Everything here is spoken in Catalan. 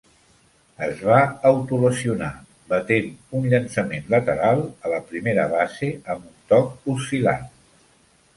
Es va autolesionar, batent un llançament lateral a la primera base amb un toc oscil·lant.